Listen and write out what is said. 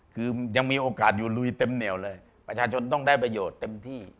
คือยังมีโอกาสอยู่ลุยเต็มเหนียวเลยประชาชนต้องได้ประโยชน์เต็มที่